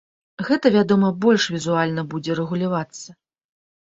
Гэта, вядома, больш візуальна будзе рэгулявацца.